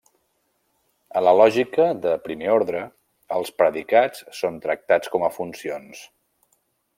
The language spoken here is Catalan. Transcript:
A la lògica de primer ordre, els predicats són tractats com a funcions.